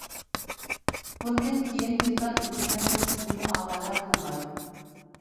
بۇندىن كېيىن گىتار ئۆگىنىمەن دەپ سىزنىمۇ ئاۋارە قىلماي.